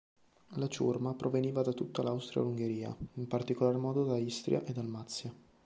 La ciurma proveniva da tutta l'Austria-Ungheria, in particolar modo da Istria e Dalmazia.